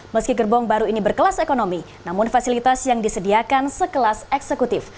meski gerbong baru ini berkelas ekonomi namun fasilitas yang disediakan sekelas eksekutif